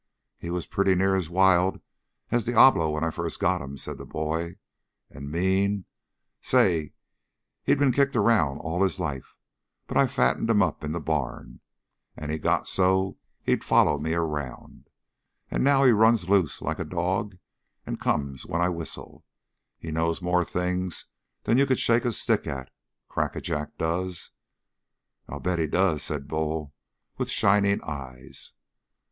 "He was pretty near as wild as Diablo when I first got him," said the boy. "And mean say, he'd been kicked around all his life. But I fatted him up in the barn, and he got so's he'd follow me around. And now he runs loose like a dog and comes when I whistle. He knows more things than you could shake a stick at, Crackajack does." "I'll bet he does," said Bull with shining eyes.